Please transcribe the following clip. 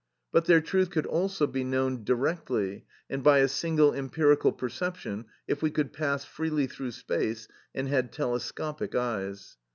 But their truth could also be known directly, and by a single empirical perception, if we could pass freely through space and had telescopic eyes.